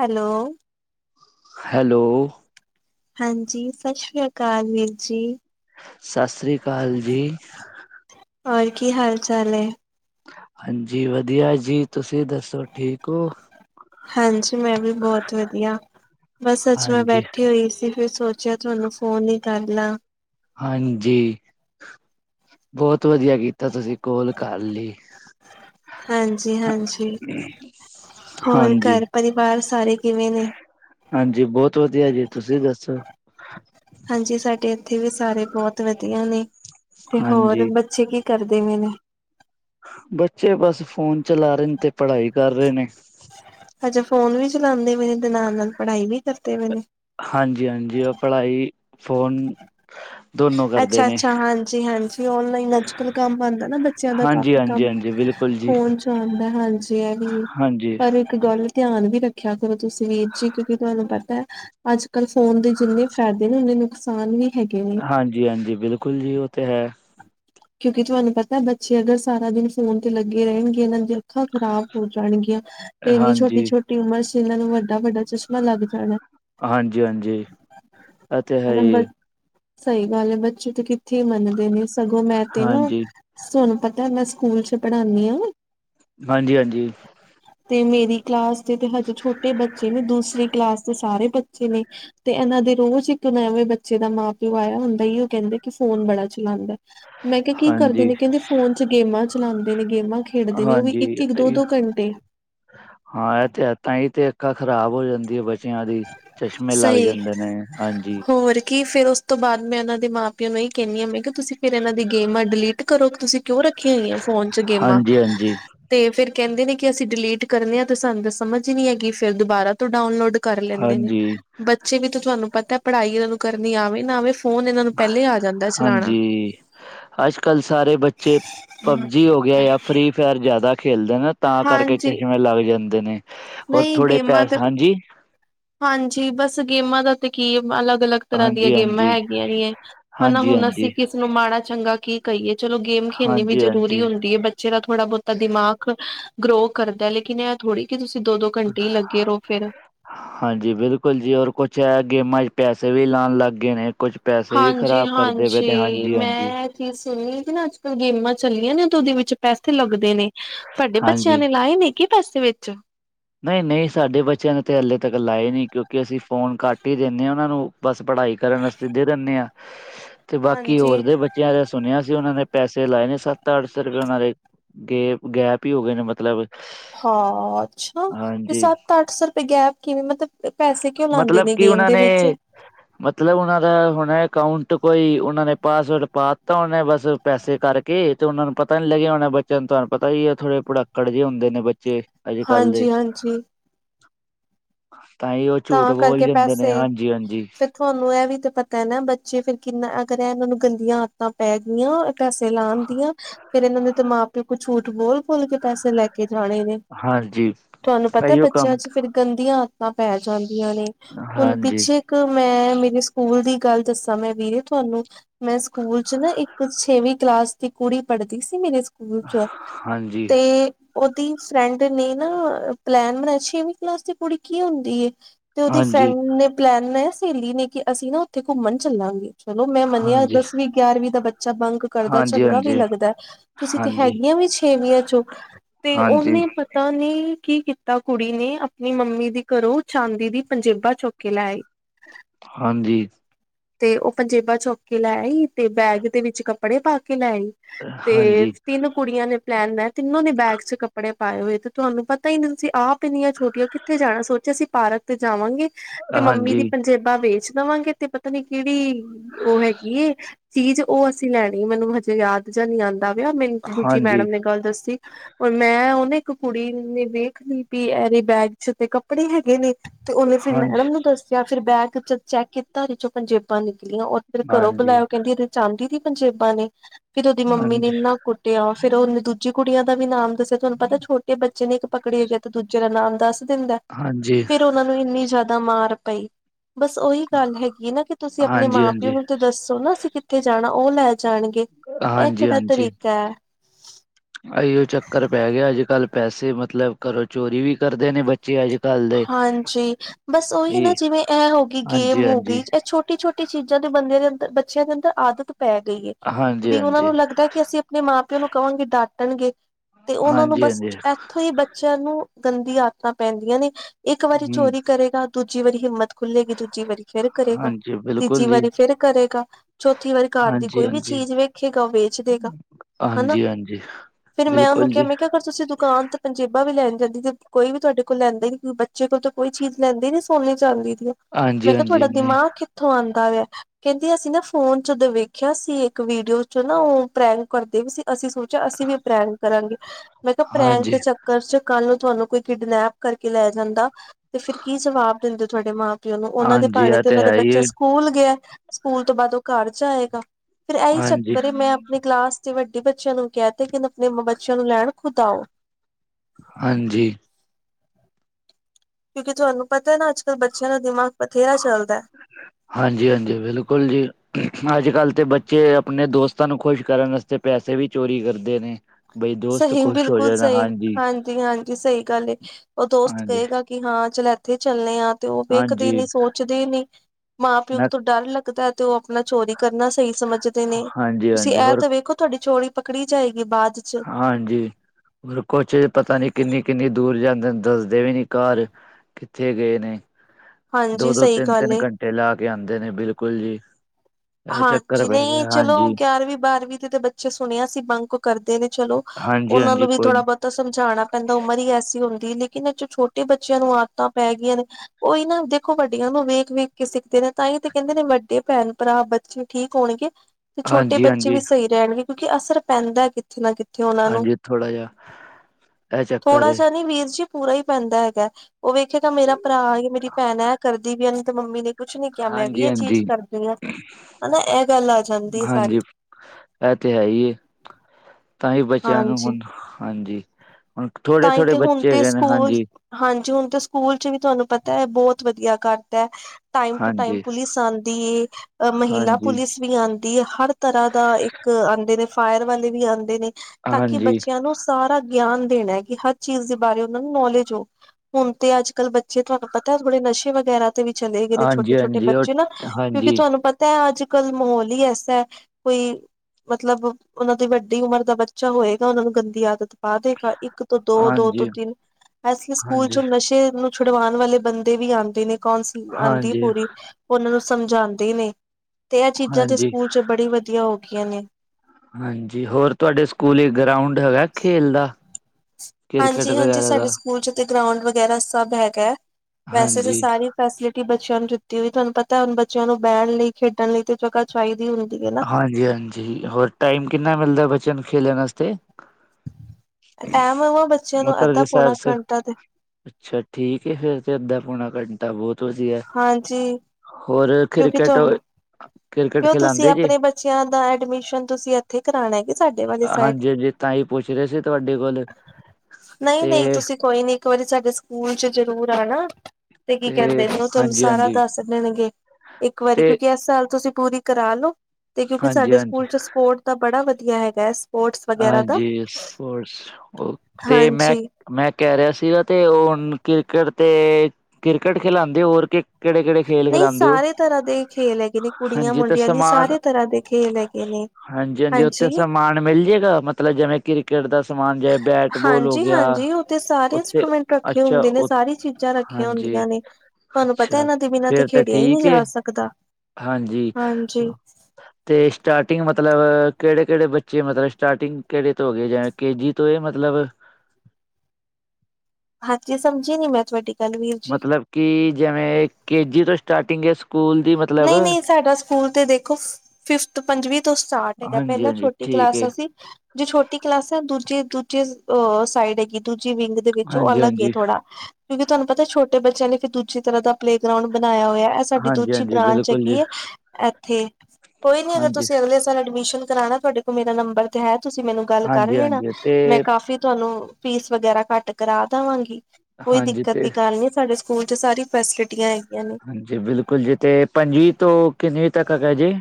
Hello. Hello. ਹਾਂਜੀ, ਸਤਿ ਸ੍ਰੀ ਅਕਾਲ ਵੀਰ ਜੀ। ਸਤੀ ਸ਼੍ਰੀ ਅਕਾਲ ਜੀ। ਹੋਰ ਕੀ ਹਾਲ-ਚਾਲ ਏ? ਹਾਂਜੀ ਵਧੀਆ ਜੀ, ਤੁਸੀਂ ਦੱਸੋ ਠੀਕ ਹੋ? ਹਾਂਜੀ, ਮੈਂ ਵੀ ਬਹੁਤ ਵਧੀਆ‌। ਬਸ ਅੱਜ ਮੈਂ ਹਾਂਜੀ ਬੈਠੀ ਹੋਈ ਸੀ। ਫਿਰ ਸੋਚਿਆ ਤੁਹਾਨੂੰ ਫੋਨ ਹੀ ਕਰ ਲਾ। ਹਾਂਜੀ, ਬਹੁਤ ਵਧੀਆ ਕੀਤਾ ਤੁਸੀਂ ਕੋਲ ਕਰ ਲੀ। ਹਾਂਜੀ ਹਾਂਜੀ, ਹੋਰ ਹਾਂਜੀ ਘਰ-ਪਰਿਵਾਰ ਸਾਰੇ ਕਿਵੇਂ ਨੇ? ਹਾਂਜੀ ਬਹੁਤ ਵਧੀਆ ਜੀ, ਤੁਸੀਂ ਦੱਸੋ? ਹਾਂਜੀ, ਸਾਡੇ ਇੱਥੇ ਵੀ ਸਾਰੇ ਬਹੁਤ ਵਧੀਆ ਨੇ ਤੇ ਹੋਰ ਹਾਂਜੀ ਬੱਚੇ ਕੀ ਕਰਦੇ ਪਏ ਨੇ? ਬੱਚੇ ਬਸ ਫੋਨ ਚਲਾ ਰਹੇ ਨੇ ਤੇ ਪੜ੍ਹਾਈ ਕਰ ਰਹੇ ਨੇ। ਅੱਛਾ ਫੋਨ ਵੀ ਚਲਾਉਂਦੇ ਪੇ ਨੇ ਤੇ ਨਾਲ-ਨਾਲ ਪੜ੍ਹਾਈ ਵੀ ਕਰਤੇ ਪਏ ਨੇ ਹਾਂਜੀ-ਹਾਂਜੀ ਉਹ ਪੜ੍ਹਾਈ ਫੋਨ ਦੋਨੋ ਕਰਦੇ ਨੇ ਅੱਛਾ-ਅੱਛਾ ਹਾਂਜੀ-ਹਾਂਜੀ ਓਨਲਾਈਨ ਅੱਜਕਲ ਕੰਮ ਆਉਂਦਾ ਨਾ ਬੱਚਿਆਂ ਦਾ ਹਾਂਜੀ ਕਾਫੀ ਹਾਂਜੀ ਕੰਮ ਹਾਂਜੀ ਬਿਲਕੁਲ ਜੀ ਫੋਨ ਚ ਆਉਂਦਾ ਹਾਂਜੀ ਇਹ ਵੀ ਹਾਂਜੀ ਪਰ ਇੱਕ ਗੱਲ ਧਿਆਨ ਵੀ ਰੱਖਿਆ ਕਰੋ ਤੁਸੀਂ ਵੀ ਇਹ ਜੀ ਕਿਉਂਕਿ ਤੁਹਾਨੂੰ ਪਤਾ ਹੈ ਅੱਜ ਕੱਲ੍ਹ ਫੋਨ ਦੇ ਜਿੰਨੇ ਫ਼ਾਇਦੇ ਨੇ ਉਨੇ ਨੁਕਸਾਨ ਵੀ ਹੈਗੇ ਆ ਹਾਂਜੀ-ਹਾਂਜੀ ਬਿਲਕੁਲ ਜੀ ਉਹ ਤੇ ਹੈ ਕਿਉਂਕਿ ਤੁਹਾਨੂੰ ਪਤਾ ਬੱਚੇ ਅਗਰ ਸਾਰਾ ਦਿਨ ਫੋਨ ਤੇ ਲੱਗੇ ਰਹਿਣਗੇ ਨਾ ਅੱਖਾਂ ਖ਼ਰਾਬ ਹੋ ਜਾਣਗੀਆਂ ਤੇ ਇੰਨੀ ਛੋਟੀ ਹਾਂਜੀ -ਛੋਟੀ ਟਿਊਮਰ ਸੀ ਇਹਨਾਂ ਨੂੰ ਵੱਡਾ-ਵੱਡਾ ਚਸ਼ਮਾ ਲੱਗ ਜਾਣਾ ਹਾਂਜੀ-ਹਾਂਜੀ ਅਤੇ ਹੈ ਹਨਾ ਬ ਇ ਸਹੀ ਗੱਲ ਹੈ ਬੱਚੇ ਤੇ ਕਿੱਥੇ ਮੰਨਦੇ ਨੇ ਸਗੋਂ ਮੈਂ ਤੇ ਨਾ ਹਾਂਜੀ ਤੁਹਾਨੂੰ ਪਤਾ ਮੈਂ ਸਕੂਲ ਚ ਪੜ੍ਹਾਉਂਦੀ ਹਾਂ ਹਾਂਜੀ-ਹਾਂਜੀ ਤੇ ਮੇਰੀ ਕਲਾਸ ਦੇ ਤੇ ਹਜੇ ਛੋਟੇ ਬੱਚੇ ਨੇ ਦੂਸਰੀ ਕਲਾਸ ਦੇ ਸਾਰੇ ਬੱਚੇ ਨੇ ਤੇ ਇਹਨਾਂ ਦੇ ਰੋਜ਼ ਇੱਕ ਨਵਵੇਂ ਬੱਚੇ ਦਾ ਮਾਂ ਪਿਓ ਆਇਆ ਹੁੰਦਾ ਹੀ ਉਹ ਕਹਿੰਦੇ ਕਿ ਫੋਨ ਬੜਾ ਚਲਾਉਂਦਾ ਮੈਂ ਕਿਹਾ ਕੀ ਕਰਦੇ ਹਾਂਜੀ, ਨੇ ਕਹਿੰਦੇ ਫੋਨ ਚ ਗੇਮਾਂ ਚਲਾਉਂਦੇ ਨੇ ਗੇਮਾਂ ਖੇ ਖੇਡਦੇ ਨੇ ਉਹ ਵੀ ਹਾਂਜੀ ਇੱਕ-ਇੱਕ ਇਹ ਦੋ-ਦੋ ਘੰਟੇ ਹਾਂ ਇਹ ਤੇ ਇ ਤਾਂ ਹੀ ਅਖਾ ਖ਼ਰਾਬ ਹੋ ਜਾਂਦੀ ਹੈ ਬੱਚਿਆਂ ਦੀ ਚਸ਼ਮੇ ਲੱਗ ਜਾਂਦੇ ਨੇ ਹਾਂਜੀ ਕਿ ਫੇਰ ਉਸ ਤੋਂ ਬਾਅਦ ਮੈਂ ਉਹਨਾਂ ਦੇ ਮਾਂ ਪਿਓ ਨੂੰ ਇਹੀ ਕਹਿੰਦੀ ਹ ਮੈਂ ਕਿ ਤੁਸੀਂ ਫੇਰ ਇਹਨਾਂ ਦੀ ਗੇਮ ਆ ਡਿਲੀਟ ਕਰੋ ਤੁਸੀਂ ਕਿਉਂ ਰੱਖੀਆਂ ਹੋਆਂ ਫੋਨ ਚ ਗੇਮਾਂ ਹਾਂਜੀ, ਤੇ ਫ਼ਿਰ ਕਹਿੰਦੇ ਨੇ ਕਿ ਅਸੀਂ ਡਿਲੀਟ ਕਰਨੇ ਹਾਂ ਤੇ ਸਾਨੂੰ ਤਾਂ ਸਮਝ ਨੀ ਹੈਗੀ ਫਿਰ ਦੁਬਾਰਾ ਤੋਂ ਡਾਊਨਲੋਡ ਕਰ ਲੈਂਦੇ ਨੇ ਹਾਂਜੀ, ਬੱਚੇ ਵੀ ਤਾਂ ਤੁਹਾਨੂੰ ਪਤਾ ਪੜ੍ਹਾਈ ਉਹਨਾਂ ਨੂੰ ਕਰਨੀ ਆਵੇ ਨਾ ਆਵੇਂ ਹਾਂਜੀ ਅੱਜ ਕੱਲ ਸਾਰੇ ਬੱਚੇ ਪਬਜੀ ਹੋ ਗਿਆ ਜਾਂ ਫ੍ਰਰੀ ਫਾਇਰ ਜ਼ਿਆਦਾ ਖੇਲਦੇ ਨੇ ਤਾਂ ਕਰਕੇ ਹਾਂਜੀ ਚਸ਼ਮੇ ਲੱਗ ਜਾਂਦੇ ਨੇ ਹੋਰ ਨਹੀਂ ਥੋੜੇ ਗੇਮਾਂ ਤੇ ਪੈਸ ਹਾਂਜੀ ਹਾਂਜੀ ਬਸ ਗੇਮਾਂ ਦਾ ਤੇ ਕੀ ਹੈ ਅਲੱਗ-ਅਲੱਗ ਤਰ੍ਹਾਂ ਦੀਆਂ ਹਾਂਜੀ, ਗੇਮਾਂ ਹਾਂਜੀ, ਹੈਗੀਆਂ ਨੇ ਹਨਾ ਹਾਂਜੀ, ਹੁਣ ਅਸੀਂ ਹਾਂਜੀ, ਹਾਂਜੀ, ਕਿਸ ਨੂੰ ਮਾੜਾ ਚੰਗਾ ਕੀ ਕਹੀਏ ਚਲੋ ਗੇਮ ਖੇਲਣੀ ਵੀ ਜਰੂਰੀ ਹਾਂਜੀ ਹੁੰਦੀ ਹੈ ਬੱਚੇ ਦਾ ਥੋੜ੍ਹਾ ਬਹੁਤਾ ਦਿਮਾਗ ਗਰੋ ਕਰਦਾ ਹੈ ਲੇਕਿਨ ਇਹ ਥੋੜ੍ਹੀ ਕਿ ਤੁਸੀ ਦੋ-ਦੋ ਘੰਟੇ ਹੀ ਲੱਗੇ ਰੋ ਫੇਰ ਹਾਂਜੀ ਬਿਲਕੁਲ ਜੀ ਹੋਰ ਕੁਛ ਗੇਮਾਂ ਚ ਪੈਸੇ ਵੀ ਲਾਉਣ ਲੱਗ ਗਏ ਨੇ ਕੁਛ ਪੈਸੇ ਵੀ ਖ਼ਰਾਬ ਕਰਦੇ ਪਏ ਤੇ ਹਾਂਜੀ-ਹਾਂਜੀ ਹਾਂਜੀ-ਹਾਂਜੀ ਮੈਂ ਇਹ ਚੀਜ਼ ਸੁਣੀਏ ਵੀ ਨਾ ਅੱਜ ਕੱਲ੍ਹ ਗੇਮਾਂ ਚੱਲੀਆਂ ਨੇ ਉਹਦੇ ਵਿੱਚ ਪੈਸੇ ਲੱਗਦੇ ਨੇ ਤੁਹਾਡੇ ਬੱਚਿਆਂ ਹਾਂਜੀ ਨੇ ਲਾਏ ਨੇਗੇ ਪੈਸੇ ਵਿੱਚ ਨਹੀਂ-ਨਹੀਂ ਸਾਡੇ ਬੱਚਿਆਂ ਨੇ ਤਾਂ ਹਲੇ ਤੱਕ ਲਾਏ ਨਹੀਂ ਕਿਉਂਕਿ ਅਸੀਂ ਫੋਨ ਘੱਟ ਹੀ ਦਿੰਦੇ ਹਾਂ ਉਹਨਾਂ ਨੂੰ ਬਸ ਪੜ੍ਹਾਈ ਕਰਨ ਅਸੀ ਸਿੱਦੇ ਦਿੰਦੇ ਹ ਤੇ ਬਾਕੀ ਹਾਂਜੀ ਹੋਰ ਦੇ ਬੱਚੇ ਬਚਿਆਂ ਨੇ ਸੁਣਿਆ ਸੀ ਉਹਨਾਂ ਨੇ ਪੈਸੇ ਲਾਏ ਨੇ ਸੱਤ ਅੱਠ ਸੌ ਰੁਪਏ ਉਹਨਾਂ ਦੇ ਗੈ ਗੈਪ ਹੀ ਹੋ ਗਏ ਨੇ ਮਤਲਬ ਹਾਂ ਅੱਛਾ ਤੇ ਹਾਂਜੀ ਸੱਤ ਅੱਠ ਸੌ ਰੁਪਏ ਗੈਪ ਕਿਵੇਂ ਮਤਲਬ ਪੈਸੇ ਕਿਉਂ ਲਾਉਂਦੇ ਮਤਲਬ ਨੇ ਕਿ ਗੇਮ ਉਹਨਾਂ ਦੇ ਵਿੱਚ [inaudible] ਮਤਲਬ ਉਹਨਾਂ ਦਾ ਹੁਣੇ ਅਕਾਊਂਟ ਕੋਈ ਉਹਨਾਂ ਨੇ ਪਾਸਵਰਡ ਪਾ ਦਿੱਤਾ ਹੋਨੇ ਬਸ ਪੈਸੇ ਕਰਕੇ ਤੇ ਉਹਨਾ ਨੂੰ ਪਤਾ ਨੀ ਲੱਗਿਆ ਹੋਣਾ ਬੱਚਿਆਂ ਨੂੰ ਤੁਹਾਨੂੰ ਪਤਾ ਹੀ ਆ ਥੋੜੇ ਡੁੜਾਕੜ ਜਿਹੇ ਹੁੰਦੇ ਨੇ ਬੱਚੇ ਅੱਜ ਕੱਲ ਦੇ ਹਾਂਜੀ-ਹਾਂਜੀ ਤਾਂ ਹੀ ਉਹ ਝੂਠ ਤਾਂ ਬੋਲ ਕਰਕੇ ਜਾਂਦੇ ਨੇ ਪੈਸੇ ਹਾਂਜੀ, ਹਾਂਜੀ। ਫਿਰ ਤੁਹਾਨੂੰ ਇਹ ਵੀ ਤਾਂ ਪਤਾ ਨਾ ਬੱਚੇ ਫੇਰ ਕਿੰਨਾ ਅਗਰ ਇਹ ਇਹਨਾਂ ਨੂੰ ਗੰਦੀਆਂ ਆਦਤਾਂ ਪੈ ਗਈਆਂ। ਪੈਸੇ ਲਾਨ ਦੀਆ ਫੇਰ ਇਹਨਾਂ ਦੇ ਤੇ ਮਾਂ ਪਿਓ ਕੁ ਝੂਠ ਬੋਲ, ਬੋਲ ਕੇ ਪੈਸੇ ਲੈ ਕੇ ਜਾਣੇ ਨੇ ਹਾਂਜੀ ਤੁਹਾਨੂੰ ਪਤਾ ਇਹੀਓ ਕੰਮ ਬੱਚਿਆਂ ਚ ਫੇਰ ਗੰਦੀਆਂ ਆਦਤਾ ਪੈ ਜਾਂਦੀਆਂ ਨੇ ਹੁਣ ਹਾਂਜੀ ਪਿੱਛੇ ਇੱਕ ਮੈਂ ਮੇਰੇ ਸਕੂਲ ਦੀ ਗੱਲ ਦੱਸਾਂ ਮੈਂ ਵੀਰੇ ਤੁਹਾਨੂੰ ਮੈਂ ਸਕੂਲ ਚ ਨਾ ਇੱਕ ਛੇਵੀਂ ਕਲਾਸ ਦੀ ਕੁੜੀ ਪੜ੍ਹਦੀ ਸੀ ਮੇਰੇ ਅੱਛਾ ਹਾਂਜੀ ਤੇ ਉਹਦੀ ਫਰੈਂਡ ਨੇ ਨਾ ਪਲੈਨ ਬਣਾਇਆ ਛੇਵੀਂ ਕਲਾਸ ਦੀ ਕੁੜੀ ਕੀ ਹੁੰਦੀ ਏ ਤੇ ਉਹਦੀ ਫਰੈਂਡ ਹਾਂਜੀ ਨੇ ਪਲੈਨ ਮੈਂ ਸਹੇਲੀ ਨੇ ਕਿ ਅਸੀਂ ਨਾ ਉੱਥੇ ਘੁੰਮਣ ਚੱਲਾਂਗੇ। ਚਲੋ ਮੈਂ ਮੰਨਿਆ ਹਾਂਜੀ ਦਸਵੀਂ ਗਿਆਰਵੀਂ ਦਾ ਬੱਚਾ ਬੰਗ ਕਰਦਾ ਹਾਂਜੀ ਚੰਗਾ ਵੀ ਹਾਂਜੀ ਲੱਗਦਾ ਤੁਸੀਂ ਤੇ ਹੈਗੀਆਂ ਵੀ ਛੇਵੀਆਂ ਚੋਂ ਤੇ ਹਾਂਜੀ ਉਹਨੇ ਪਤਾ ਨੇ ਕੀ ਕੀਤਾ ਕੁੜੀ ਨੇ ਆਪਣੀ ਮੰਮੀ ਦੀ ਘਰੋਂ ਚਾਂਦੀ ਦੀ ਪੰਜੇਬਾ ਚੁ ਕੇ ਲੈ ਆਈ। ਹਾਂਜੀ। ਤੇ ਉਹ ਪੰਜੇਬਾਂ ਚੁਕ ਕੇ ਲੈ ਆਈ ਤੇ ਬੈਗ ਦੇ ਵਿੱਚ ਕੱਪੜੇ ਪਾ ਕੇ ਲੈ ਆ ਤੇ ਹਾਂਜੀ ਤਿੰਨ ਕੁੜੀਆਂ ਨੇ ਪਲੈਨ ਬਨਾਯਾ ਤਿੰਨੋ ਨੇ ਬੈਗ ਚ ਕੱਪੜੇ ਪਾਏ ਹੋਏ ਤੇ ਤੁਹਾਨੂੰ ਪਤਾ ਹੀ ਨਹੀਂ ਤੁਸੀਂ ਆਪ ਇੰਨੀਆਂ ਛੋਟੀਆਂ ਉੱਥੇ ਜਾਣਾ ਸੋਚਿਆ ਅਸੀਂ ਪਾਰਕ ਤੇ ਜਾਵਾਂਗੇ ਤੇ ਮੰਮੀ ਦੀ ਹਾਂਜੀ ਪੰਜੇਬਾਂ ਵੇਚ ਦੇਵਾਂਗੇ। ਤੇ ਪਤਾ ਨੀ ਕਿਹੜੀ ਉਹ ਹੈਗੀ ਏ ਚੀਜ਼ ਉਹ ਅਸੀਂ ਲੈਣੀ ਮੈਨੂੰ ਹਜੇ ਯਾਦ ਜਾਂ ਨੀ ਆਉਂਦਾ ਆ ਮੈਨੂੰ ਦੂਜੀ ਹਾਂਜੀ ਹਾਂਜੀ ਮੈਡਮ ਨੇ ਗੱਲ ਦੱਸੀ। ਮੈਂ ਉਹਨੇ ਇੱਕ ਕੁੜੀ ਨੇ ਵੇਖ ਲਈ ਵੀ ਐਰੇ ਬੈਗ ਚ ਤੇ ਕੱਪੜੇ ਹੈਗੇ ਨੇ ਤੇ ਉਹਨੇ ਫਿਰ ਮੈਡਮ ਨੂੰ ਦੱਸਿਆ ਫਿਰ ਬੈਗ ਚ ਚੈੱਕ ਕੀਤਾ ਚੋਂ ਪੰਜੇ ਬਂਦ ਨਿਕਲੀਆਂ ਫੇਰ ਘਰੋਂ ਹਾਂਜੀ ਬੁਲਾਇਓ ਕਹਿੰਦੀ ਇ ਚਾਂਦੀ ਦੀ ਪੰਜੇਬਾਂ ਨੇ ਫੇਿਰ ਉਹਦੀ ਮੰਮੀ ਨੇ ਹਾਂਜੀ ਇੰਨਾ ਕੁੱਟਿਆ ਫੇਿਰ ਉਹਨੇ ਦੂਜੀ ਕੁੜੀਆਂ ਦਾ ਵੀ ਨਾਮ ਦੱਸੇ ਤੁਹਾਨੂੰ ਪਤਾ ਛੋਟੇ ਬੱਚੇ ਨੇ ਇੱਕ ਪਕੜੀ ਹੈਗੇ ਤੇ ਦੂਜੇ ਦਾ ਨਾਮ ਦੱਸ ਦਿੰਦਾ। ਹਾਂਜੀ। ਫਿਰ ਉਹਨਾਂ ਨੂੰ ਇੰਨੀ ਜ਼ਿਆਦਾ ਮਾਰ ਪਈ ਬਸ ਉਹੀ ਗੱਲ ਹੈਗੀ ਨਾ ਕਿ ਤੁਸੀਂ ਆਪਣੇ ਮਾਂ ਪਿਓ ਹਾਂਜੀ ਨੂੰ ਤੇ ਦੱਸੋ ਨਾ ਅਸੀਂ ਕਿ ਕੇ ਜਾਣਾ ਉਹ ਲੈ ਜਾਣਗੇ ਇਹ ਹਾਂਜੀ ਕਿਹੜਾ ਤਰੀਕਾ ਹੈ। ਇਓ ਚੱਕਰ ਪੈ ਗਿਆ ਅੱਜ ਕੱਲ ਪੈਸੇ ਮਤਲਬ ਘਰੋਂ ਚੋਰੀ ਵੀ ਕਰਦੇ ਨੇ ਬੇ ਤੇ ਅਜ ਕਲ ਹਾਂਜੀ ਬਸ ਉਹੀ ਨਾ ਜਿਵੇਂ ਇਹ ਹੋ ਗਈ ਗੇਮ ਹਾਂਜੀ ਹੋ ਹਾਂਜੀ ਗਈ ਇਹ ਛੋਟੀ, ਛੋਟੀ ਚੀਜ਼ਾਂ ਦੇ ਬੰਦਿਆਂ ਦੇ ਅੰਦਰ ਬੱਚਿਆਂ ਦੇ ਅੰਦਰ ਆਦਤ ਪੈ ਗਈ ਹੈ ਹਾਂਜੀ ਵੀ ਉਹਨਾ ਹਾਂਜੀ ਨੂੰ ਲੱਗਦਾ ਕਿ ਅਸੀਂ ਤੇ ਮਾਂ ਪਿਓ ਨੂੰ ਕਹਾਂਗੇ ਡਾਟਣਗੇ ਤੇ ਉਹਨਾਂ ਨੂੰ ਹਾਂਜੀ ਬਸ ਹਾਂਜੀ ਇੱਥੋਂ ਹੀ ਬ ਬੱਚਿਆਂ ਨੂੰ ਗੰਦੀ ਆਦਤਾਂ ਪੈਂਦੀਆਂ ਨੇ ਇੱਕ ਵਾਰੀ ਹਮ ਚੋਰੀ ਕਰੇਗਾ। ਦੂਜੀ ਵਾਰੀ ਹਿੰਮਤ ਖੁੱਲੇਗੀ ਦੂਜੀ ਵਾਰੀ ਫਿਰ ਕਰੇਗਾ ਹਾਂਜੀ ਤੀਜੀ ਬਿਲਕੁਲ ਜੀ ਵਾਰੀ ਫਿਰ ਕਰੇਗਾ ਚੌਥੀ ਵਾਰੀ ਘਰ ਦੀ ਹਾਂਜੀ ਕੋਈ ਵੀ ਹਾਂਜੀ ਚੀਜ਼ ਵੇਖੇਗਾ ਉਹ ਵੇਚ ਦੇਗਾ। ਹਾਂਜੀ, ਹਾਂਜੀ। ਫੇਿਰ ਮੈਂ ਉਹਨੂੰ ਬਿਲਕੁਲ ਕਿਹਾ ਜੀ, ਮੈਂ ਕਿਹਾ ਅਗਰ ਤੁਸੀਂ ਦੁਕਾਨ ਤੇ ਪੰਜੇਬਾਂ ਵੀ ਲੈਣ ਜਾਂਦੀ ਜ ਕੋਈ ਵੀ ਤੁਹਾਡੇ ਕੋਲ ਲੈਂਦਾ ਹੀ ਬੱਚੇ ਕੋਲ ਤਾਂ ਕੋਈ ਚੀਜ਼ ਲੈਂਦੀ ਨੀ ਸੋਨੇ ਚਾਦੀ ਦੀ ਮੈਂ ਕਿਹਾ ਤੁਹਾਡਾ ਹਾਂਜੀ-ਹਾਂਜੀ, ਨਹੀਂ ਦਿਮਾਗ ਕਿਥੋਂ ਆਉਂਦਾ ਵ ਕਹਿੰਦੇ ਅਸੀਂ ਨਾ ਫੋਨ ਚੋ ਵੇਖਿਆ ਸੀ ਇੱਕ ਵੀਡੀਓ ਚ ਨਾ ਉਹ ਪ੍ਰੈਗ ਕਰਦੇ ਵੀ ਸੀ ਅਸੀਂ ਸੌਚ ਅਸੀਂ ਵੀ ਪ੍ਰੈਂਕ ਕਰਾਂਗੇ ਮੈਂ ਕਿਹਾ ਪ੍ਰੈਂਕ ਦੇ ਹਾਂਜੀ। ਚੱਕਰ ਚ ਕੱਲ ਨੂੰ ਤੁਹਾਨੂੰ ਕੋਈ ਕਿਡਨੈਪ ਕਰਕੇ ਕੇ ਲੈ ਜਾਂਦਾ ਤੇ ਫਿਰ ਕੀ ਜਵਾਬ ਦਿੰਦੇ ਤੁਹਾਡੇ ਮਾਂ ਉਹਨੂੰ ਉਹਨਾਂ ਦੇ ਹਾਂਜੀ, ਭਾਣੇ ਐ ਤੇ ਉਹਨਾਂ ਦਾ ਹੈ ਈ ਬੱਚਾ ਏ, ਸਕੂਲ ਗਿਆ ਸਕੂਲ ਤੋਂ ਬਾਅਦ ਉਹ ਘਰ ਚ ਆਏਗਾ। ਫਿਰ ਇਹੀ ਹਾਂਜੀ, ਚੱਕਰ ਏ ਮੈਂ ਆਪਣੇ ਕਲਾਸ ਤੇ ਵਡੇ ਬੱਚਿਆਂ ਨੂੰ ਕਹਿ ਤੇ ਆਪਣੇ ਬੱਚਿਆਂ ਨੂੰ ਲੈਣ ਖੁਦ ਆਓ। ਹਾਂਜੀ। ਕਿਉਂਕਿ ਤੁਹਾਨੂੰ ਪਤਾ ਹੈ ਨਾ ਅੱਜ ਕੱਲ੍ਹ ਬੱਚਿਆਂ ਦਾ ਦਿਮਾਗ ਬਥੇਰਾ ਚੱਲਦਾ। ਹਾਂਜੀ, ਹਾਂਜੀ ਬਿਲਕੁਲ ਜੀ। ਅੱਜ ਕੱਲ੍ਹ ਤੇ ਬੱਚੇ ਆਪਣੇ ਦੋਸਤਾਂ ਨੂੰ ਖ਼ੁਸ਼ ਕਰਨ ਵਾਸਤੇ ਪੈਸੇ ਵੀ ਚੋਰੀ ਕਰਦੇ ਨੇ ਬਈ ਦੋਸਤ ਸਹੀ ਖੁਸ਼ ਹੋ ਬਿਲਕੁਲ ਜਾਣ, ਸਹੀ ਹਾਂਜੀ ਹਾਂਜੀ ਸਹੀ ਗੱਲ ਉਹ ਦੋਸਤ ਹਾਂਜੀ, ਕਹੇਗਾ ਕਿ ਹਾਂ ਚਲ ਇਥੇ ਚੱਲੇ ਆ ਤੇ ਉਹ ਵੇਖਦੇ ਹਾਂਜੀ, ਨੀ ਸੋਚਦੇ ਨੀ ਮਾਂ ਪਿਓ ਮੈਂ ਤੋ ਡਰ ਲਗਦਾ ਤੇ ਉਹ ਆਪਣਾ ਚੋਰੀ ਕਰਨਾ ਸਹੀ ਸਮਝਦੇ ਨੇ ਤੁਸੀ ਹਾਂਜੀ-ਹਾਂਜੀ, ਇਹ ਹੋਰ ਤਾਂ ਵੇਖੋ ਤੁਹਾਡੀ ਚੋਰੀ ਪਕੜੀ ਜਾਏਗੀ ਬਾਅਦ ਚ ਹਾਂਜੀ, ਹੋਰ ਕੁਛ ਪਤਾ ਨੀ ਕਿਨੀ-ਕਿਨੀ ਦੂਰ ਜਾਦੇ ਨੇ, ਦਸਦੇ ਵੀ ਨੀ ਘਰ ਕਿਥੇ ਗਏ ਨੇ? ਹਾਂਜੀ ਦੋ-ਦੋ, ਸਹੀ ਗੱਲ ਏ। ਤਿਨ-ਤਿਨ ਘੰਟੇ ਲਾ ਕੇ ਆਉਦੇ ਨੇ ਬਿਲਕੁਲ ਜੀ। ਐ ਚੱਕਰ ਹਾਂਜੀ, ਪੈ ਨਹੀ ਗਿਆ, ਚਲੋ ਹਾਂਜੀ, ਗਿਆਰਵੀ-ਬਾਰਵੀ ਦੇ ਤੇ ਬੱਚੇ ਸੁਣਿਆ ਸੀ ਬੰਕ ਕਰਦੇ ਨੇ ਚਲੋ ਉਹਨਾਂ ਹਾਂਜੀ-ਹਾਂਜੀ, ਨੂੰ ਵੀ ਕੋਈ ਥੋੜਾ ਬਹੁਤਾ ਤਾਂ ਸਮਝਾਉਣਾ ਪੈਦਾ ਉਮਰ ਹੀ ਐਸੀ ਹੁਦੀ ਲੇਕਿਨ ਇਹ ਚ ਛੋਟੇ ਬੱਚਿਆਂ ਨੂੰ ਆਦਤਾ ਪੈ ਗਈਆਂ ਨੇ ਉਹੀ ਨਾ ਦੇਖੋ ਵੱਡੀਆਂ ਨੂੰ ਵੇਖ-ਵੇਖ ਕੇ ਸਿਖਦੇ ਨੇ। ਤਾਂ ਹੀ ਤੇ ਕਹਿਦੇ ਨੇ ਵਡੇ ਭੈਣ-ਭਰਾ, ਬੱਚੇ ਠੀਕ ਹੋਣਗੇ ਤੇ ਛੋਟੇ ਹਾਂਜੀ, ਬੱਚੇ ਵੀ ਹਾਂਜੀ, ਸਹੀ ਰਣਗੇ ਕਿਉਕਿ ਅਸਰ ਪੈਂਦਾ ਕਿਥੇ? ਕਿਥੇ ਨਾ ਕਿਥੇ ਉਹਨਾਂ ਨੂੰ ਹਾਂਜੀ ਥੋੜਾ ਜਿਹਾ ਇਹ ਚੱਕਰ ਥੋੜਾ ਏ। ਜਿਹਾ ਨੀ ਵੀਰ ਜੀ ਪੂਰਾ ਹੀ ਪੈਂਦਾ ਹੈਗਾ ਉਹ ਵੇਖੇਗਾ ਮੇਰਾ ਭਰਾ, ਮੇਰੀ ਭੈਣ ਹੈ ਕਰਦੀ ਵੀ ਹੈ ਨੀ ਤੇ ਮੰਮੀ ਨੇ ਕੁਛ ਨੀ ਕਿਹਾ, ਮੈਂ ਵੀ ਹਾਂਜੀ, ਇਹ ਚੀਜ਼ ਹਾਂਜੀ, ਕਰਦੀ ਹਾਂ, ਹੈਨਾ ਇਹ ਗੱਲ ਆ ਜਾਦੀ ਹਾਂਜੀ ਸਾਰੀ। ਇਹ ਤੇ ਹੈਹੀਏ। ਤਾਂ ਹੀ ਬੱਚਿਆਂ ਨੂੰ ਹਾਂਜੀ ਹੁਣ ਹਾਜੀ, ਹੁਣ ਤਾਂ ਹੀ ਥੋੜੇ-ਥੋੜੇ ਤੇ ਹੁਣ ਬੱਚੇ ਤੇ ਹੈਗੇ ਨੇ ਸਕੂਲ ਹਾਂਜੀ। ਹਾਂਜੀ, ਹੁਣ ਤਾਂ ਸਕੂਲ ਚ ਵੀ ਤੁਹਾਨੂੰ ਪਤਾ ਹੈ ਬਹੁਤ ਵਧੀਆ ਕਰਤਾ ਹੈ। ਟਾਈਮ ਟੂ ਟਾਈਮ ਹਾਂਜੀ, ਪੁਲਿਸ ਆਉਦੀ ਏ, ਮਹਿਲਾ ਹਾਂਜੀ, ਪੁਲਿਸ ਵੀ ਆਉਦੀ ਹੈ। ਹਰ ਤਰ੍ਹਾਂ ਦਾ ਇਕ ਆਉਦੇ ਨੇ ਫਾਇਰ ਵਾਲੇ ਵੀ ਆਉਦੇ ਨੇ ਤਾਂਕਿ ਹਾਂਜੀ, ਹਾਂਜੀ, ਬੱਚਿਆਂ ਨੂੰ ਸਾਰਾ ਗਿਆਨ ਦੇਣਾ ਹੈ ਕਿ ਹਰ ਚੀਜ਼ ਦੇ ਬਾਰੇ ਉਹਨਾ ਨੂੰ ਨੌਲੇਜ ਹੋ। ਹੁਣ ਤੇ ਅਜ-ਕਲ ਬੱਚੇ ਤੁਹਾਨੂੰ ਪਤਾ ਥੋੜੇ ਨਸ਼ੇ ਵਗੈਰਾ ਤੇ ਵੀ ਚਲੇ ਗਏ ਨੇ ਛੋਟੇ-ਛੋਟੇ ਹਾਂਜੀ ਉਹ ਬੱਚੇ ਨਾ ਕਿਉਂਕਿ ਹਾਂਜੀ। ਤੁਹਾਨੂੰ ਪਤਾ ਤਾਂ ਅਜ-ਕਲ ਮਾਹੌਲ ਹੀ ਐਸਾ ਹੈ, ਕੋਈ ਮਤਲਬ ਉਹਨਾ ਦੀ ਵਡੀ ਉਮਰ ਦਾ ਬੱਚਾ ਬਚਾ ਹੋਏਗਾ ਉਹਨਾ ਨੂੰ ਗੰਦੀ ਆਦਤ ਪਾ ਦੇਵੇਗਾ ਇਕ ਤੋਂ ਦੋ-ਦੋ ਤੋਂ ਹਾਂਜੀ, ਤਿਨ ਇਸ ਲਈ ਸਕੂਲ ਹਾਂਜੀ, ਚੋ ਨਸ਼ੇ ਨੂੰ ਛੁਡਵਾਉਣ ਵਾਲੇ ਬੰਦੇ ਵੀ ਆਉਦੇ ਨੇ। ਕਾਉਂਸਲਿੰਗ ਆਉਦੀ ਹਾਂਜੀ, ਪੂਰੀ ਉਹਨਾਂ ਨੂੰ ਸਮਝਾਉਦੇ ਨੇ ਤੇ ਇਹ ਚੀਜ਼ਾ ਤੇ ਹਾਂਜੀ, ਸਕੂਲ ਚ ਬੜੀ ਵਧੀਆ ਹੋ ਗਈਆਂ ਨੇ। ਹਾਂਜੀ, ਹੋਰ ਤੁਹਾਡੇ ਸਕੂਲ ਇਕ ਗਰਾਉਡ ਹੈਗਾ ਖੇਲ ਦਾ ਕ੍ਰਿਕਟ ਹਾਂਜੀ-ਹਾਂਜੀ, ਵਗੈਰਾ ਸਾਡੇ ਦਾ ਸਕੂਲ ਚ ਤੇ ਗਰਾਉਡ ਵਗੈਰਾ ਸਭ ਹੈਗਾ ਹੈ, ਵੈਸੇ ਤਾਂ ਹਾਂਜੀ, ਸਾਰੇ ਫੈਸਿਲਿਟੀ ਬੱਚਿਆਂ ਨੂੰ ਦਿੱਤੀ ਹੋਈ ਤੁਹਾਨੂੰ ਪਤਾ ਹੈ। ਹੁਣ ਬੱਚਿਆਂ ਨੂੰ ਬਹਿਣ ਲਈ ਖੇਡਣ ਲਈ ਤੇ ਜਗ੍ਹਾ ਚਾਹੀਦੀ ਹੁੰਦੀ ਹੈ ਨਾ ਹਾਂਜੀ-ਹਾਂਜੀ, ਹੋਰ ਟਾਈਮ ਕਿਨਾ ਮਿਲਦਾ ਬੱਚਿਆਂ ਨੂੰ ਖੇਲਣ ਵਾਸਤੇ? ਟਾਈਮ ਹੋਵਾ ਬੱਚਿਆਂ ਨੂੰ ਮਤਵਲਬ ਜ ਅੱਧਾ ਪੌਣਾ ਸਾਹਿਰ ਘੰਟਾ ਤੇ ਅਛਾ, ਠੀਕ ਹੈ ਫੇਰ ਤੇ ਅਧਾ-ਪੌਣਾ ਘਂਟਾ ਤਾਂ ਬਹੁਤ ਵਧੀਆ ਹਾਂਜੀ ਹੋਰ ਕ੍ਰਿਕਟ ਕ੍ਰਿਕਟ ਕਿ ਉਹ ਤੁਸੀ ਖਿਲਾਂਦੇ ਜੇ ਆਪਣੇ ਬੱਚਿਆਂ ਦਾ ਐਡਮਿਸ਼ਨ ਤੁਸੀ ਇਥੇ ਕਰਾਉਣਾ ਹੈਗੇ ਸਾਡੇ ਵਲ ਹਾਂਜੀ-ਹਾਂਜੀ, ਤਾਂ ਹੀ ਪੁਛ ਰਹਿਆ ਸੀ ਤੁਹਾਡੇ ਕੋਲ। ਤੇ ਨਹੀ-ਨਹੀ, ਤੁਸੀ ਕੋਈ ਨੀ ਇਕ ਵਾਰੀ ਸਾਡੇ ਸਕੂਲ ਚ ਜ਼ਰੂਰ ਆਉਣਾ। ਤੇ ਕੀ ਕਹਿਦੇ ਮੈ ਤੁਹਾਨੂੰ ਹਾਂਜੀ ਸਾਰਾ ਹਾਂਜੀ ਦਸ ਦੇਣਗੇ ਇੱਕ ਵਾਰੀ ਤੇ ਕਿਉਕਿ ਇਸ ਸਾਲ ਤੁਸੀ ਪੂਰੀ ਕਰਾ ਲੋ। ਤੇ ਕਿਉਕਿ ਹਾਂਜੀ ਸਾਡੇ ਹਾਂਜੀ ਸਕੂਲ ਚ ਸਪੋਰਟ ਤਾਂ ਬੜਾ ਵਧੀਆ ਹੈਗਾ। ਸਪੋਰਟਸ ਵਗੈਰਾ ਦਾ ਹਾਂਜੀ ਸਪੋਟਸ ਤੇ ਮੈ ਹਾਂਜੀ ਮੈਂ ਕਹਿ ਰਿਹਾ ਸੀਗਾ ਤੇ ਹੁਣ ਕ੍ਰਿਕੇਟ ਤੇ ਕ੍ਰਿਕੇਟ ਖਿਲਾਉਦੇ ਹੋਰ ਕਿ ਕਿਹੜੇ- ਕਿਹੜੇ ਖੇਲ ਨਹੀ, ਖਿਲਾਂਦੇ ਹੋ ਸਾਰੇ ਤਰ੍ਹਾਂ ਦੇ ਖੇਲ ਹੈਗੇ ਨੇ ਕੁੜੀਆਂ ਹਾਂਜੀ ਤੇ ਮੁੰਡਿਆਂ ਲਈ ਸਾਰੇ ਤਰ੍ਹਾਂ ਦੇ ਖੇਲ ਹੈਗੇ ਨੇ। ਹਾਂਜੀ-ਹਾਂਜੀ ਉਥੇ ਹਾਂਜੀ ਸਮਾਨ ਮਿਲ ਜਾਏਗਾ ਮਤਲਬ ਜਿਵੇ ਕ੍ਰਿਕੇਟ ਦਾ ਸਮਾਨ ਜੇ ਬੈਟਬਾਲ ਹੋ ਹਾਂਜੀ ਗਿਆ ਹਾਂਜੀ ਉਹ ਤੇ ਸਾਰੇ ਉਥੇ ਇੰਸਟਰੂਮੈਂਟ ਰੱਖੇ ਹੁੰਦੇ ਨੇ ਅਛਾੱ- ਸਾਰੀ ਚੀਜ਼ਾਂ ਰੱਖੀਆਂ ਹਾਂਜੀ। ਹੁੰਦੀਆਂ ਨੇ ਤੁਹਾਨੂੰ ਪਤਾ ਅਛਾ, ਇਹਨਾਂ ਦੇ ਬਿਨਾਂ ਫੇਰ ਤੇ ਖੇਡਿਆ ਹੀ ਨਹੀਂ ਠੀਕ ਏ ਜਾ ਸਕਦਾ ਹਾਂਜੀ। ਹਾਂਜੀ ਤੇ ਸਟਾਰਟਿੰਗ ਮਤਲਬ ਕਿਹੜੇ-ਕਿਹੜੇ ਬੱਚੇ ਮਤਲਬ ਸਟਾਰਟਿੰਗ ਕਿਹੜੇ ਧੋ ਗਏ ਜਾਵੇ ਕੇ ਜੀ ਤੋਂ ਇਹ ਮਤਲਬ ਹਾਜੀ ਸਮਝੀ ਨੀ ਮੈਂ ਤੁਹਾਡੀ ਗੱਲ ਵੀਰ ਜੀ ਮਤਲਬ ਕਿ ਜਿਵੇਂ ਕੇ ਜੀ ਤੋਂ ਸਟਾਰਟਿੰਗ ਹੈ ਸਕੂਲ ਦੀ ਮਤਲਬ ਨਹੀਂ- ਨਹੀਂ ਸਾਡਾ ਸਕੂਲ ਤੇ ਦੇਖੋ ਫਿਫੱਥ ਪੰਜਵੀਂ ਤੋਂ ਸਟਾਰਟ ਹੈਗਾ ਪਹਿਲਾਂ ਹਾਂਜੀ-ਹਾਂਜੀ ਛੋਟੀ ਠੀਕ ਏ, ਕਲਾਸਾਂ ਸੀ ਜੇ ਛੋਟੀ ਕਲਾਸ ਹੈ ਦੂਜੀ ਦੂਜੇ ਅ ਸਾਈਡ ਹੈਗੀ ਦੂਜੀ ਵਿੰਗ ਦੇ ਵਿੱਚ ਉਹ ਅਲੱਗ ਹਾਂਜੀ-ਹਾਂਜੀ, ਥੋੜਾ। ਕਿਉਂਕਿ ਤੁਹਾਨੂੰ ਪਤਾ ਛੋਟੇ ਬੱਚਿਆਂ ਨੇ ਫਿਰ ਦੂਜੀੇ ਤਰ੍ਹਾਂ ਦਾ ਪਲੇ ਗਰਾਊਂਡ ਬਣਾਇਆ ਹੋਇਆ ਇਹ ਸਾਡੀ ਦੂ ਅੀ ਹਾਂਜੀ-ਹਾਂਜੀ ਬ੍ਰਾਂਚ ਬਿਲਕੁਲ ਹੈਗੀ ਜੀ, ਹੈ। ਇੱਥੇ ਕੋਈ ਨੀ ਅਗਰ ਹਾਂਜੀ। ਤੁਸੀਂ ਅਗਲੇ ਸਾਲ ਐਡਮਿਸ਼ਨ ਕਰਾਣਾ ਤੁਹਾਡੇ ਕੋਲ ਮੇਰਾ ਨੰਬਰ ਤੇ ਹੈ ਤੁਸੀਂ ਮੈਨੂੰ ਗੱਲ ਕਰ ਲੈਣਾ। ਹਾਂਜੀ-ਹਾਂਜੀ ਮੈਂ ਤੇ ਕਾਫੀ ਤੁਹਾਨੂੰ ਫੀਸ ਵਗੈਰਾ ਘੱਟ ਕਰਾ ਦੇਵਾਂਗੀ। ਕੋਈ ਹਾਂਜੀ ਦਿੱਕਤ ਤੇ ਦੀ ਗੱਲ ਨੀ ਸਾਡੇ ਸਕੂਲ ਚ' ਸਾਰੀ ਫੈਸਿਲਿਟੀਆਂ ਹੈਗੀਆਂ ਨੇ। ਹਾਂਜੀ ਬਿਲਕੁੱਲ ਜੀ ਤੇ ਪੰਜਵੀ ਤੋਂ ਕਿੰਨਵੀਂ ਤੱਕ ਹੈਗਾ ਜੇ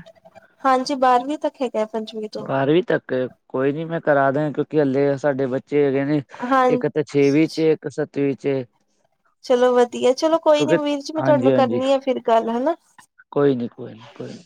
ਹਾਂਜੀ ਬਾਰਵੀਂ ਤੱਕ ਹੈਗੀ- [unintelligible] ਬਾਰਵੀਂ ਤੱਕ ਕੋਈ ਨੀ ਮੈਂ ਕਰਾ ਦ ਕਿਉਂਕਿ ਹੱਲੇ ਸਾਡੇ ਬੱਚੇ ਹੈਗੇ ਨੇ ਹਾਂ ਇੱਕ ਤਾਂ ਛੇਵੀ ਚ' ਇੱਕ ਸੱਤਵੀਂ ਚ' ਚਲੋ ਵਧੀਆ। ਚਲੋ ਕੋਈ ਨੀ ਕਿਉਂਕਿ ਵੀਰ ਜੀ। ਮੈਂ ਹਾਂਜੀ ਤੁਹਾਨੂੰ ਹਾਂਜੀ ਕਰਨੀ ਆ ਫਿਰ ਗੱਲ ਹਨਾ। ਕੋਈ ਨਹੀਂ, ਕੋਈ ਨਹੀਂ, ਕੋਈ ਨਹੀਂ।